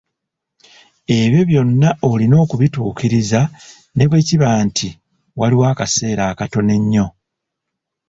Ebyo byonna olina okubituukiriza ne bwe kiba nti waliwo akaseera akatono ennyo